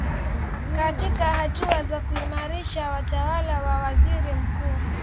katika hatua za kuimarisha utawala wa waziri mkuu